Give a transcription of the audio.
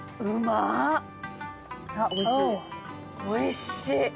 おいしい。